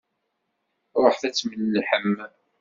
Ṛuḥet ad tmellḥem!